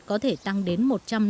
có thể tăng đến một trăm năm mươi